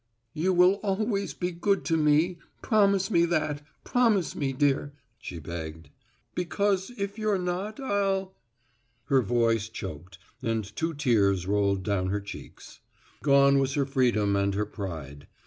"You will always be good to me promise that, promise me, dear," she begged, "because if you're not I'll " Her voice choked and two tears rolled down her cheeks. Gone was her freedom and her pride.